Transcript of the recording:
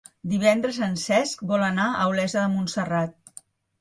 Divendres en Cesc vol anar a Olesa de Montserrat.